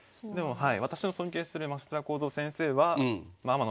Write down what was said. はい。